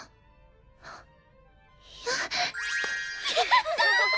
ややった！